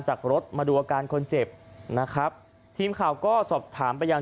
จากรถมาดูอาการคนเจ็บนะครับทีมข่าวก็สอบถามไปยัง